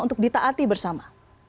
untuk ditaati bersama